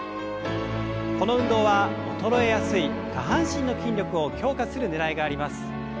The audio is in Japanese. この運動は衰えやすい下半身の筋力を強化するねらいがあります。